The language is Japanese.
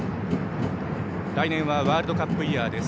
来年はワールドカップイヤーです。